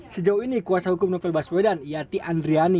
sejauh ini kuasa hukum novel baswedan yati andriani